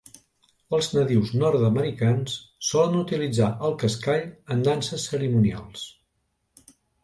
Els nadius nord-americans solen utilitzar el cascall en danses cerimonials.